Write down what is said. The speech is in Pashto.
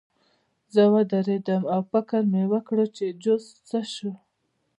زه ووېرېدم او فکر مې وکړ چې جوزف څه شو